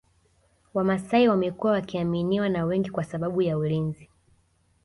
wamasai wamekuwa wakiaminiwa na wengi kwa sababu ya ulinzi